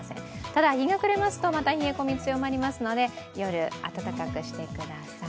ただ日が暮れますとまた冷え込み強まりますので、夜、暖かくしてください。